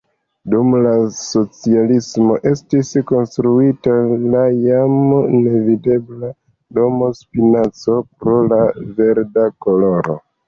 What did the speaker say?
Dum la socialismo estis konstruita la jam nevidebla "Domo Spinaco" pro la verda koloro.